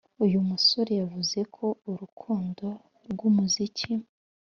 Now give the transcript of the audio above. Uyu musore yavuze ko urukundo rw’umuziki